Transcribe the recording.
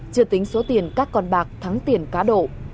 chưa tính số tiền các con bạc thắng tiền cá độ